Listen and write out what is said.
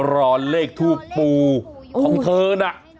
รอเลขทูบปูของเธอน่ะ